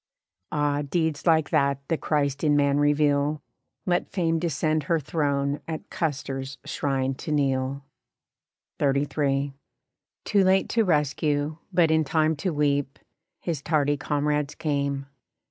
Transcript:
Ah! deeds like that the Christ in man reveal Let Fame descend her throne at Custer's shrine to kneel. XXXIII. Too late to rescue, but in time to weep, His tardy comrades came.